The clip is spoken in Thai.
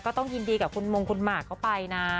ต้องยินดีกับคุณมงคุณหมากเข้าไปนะ